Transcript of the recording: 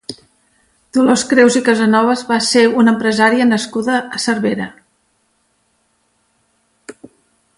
Dolors Creus i Casanovas va ser una empresària nascuda a Cervera.